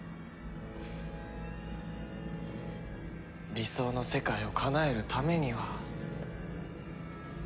理想の世界をかなえるためには。